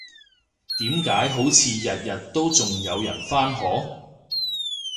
點解好似日日都仲有人返學？